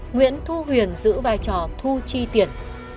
nguyễn thu huyền giữ vai trò thu chi tiền